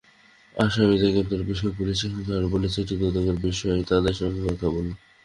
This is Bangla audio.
আসামিদের গ্রেপ্তারের বিষয়ে পুলিশ এখন বলছে এটি দুদকের বিষয়, তাদের সঙ্গে কথা বলুন।